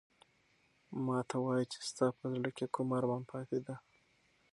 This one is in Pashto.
ما ته وایه چې ستا په زړه کې کوم ارمان پاتې دی؟